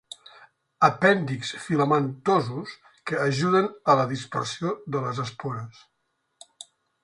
Apèndixs filamentosos que ajuden a la dispersió de les espores.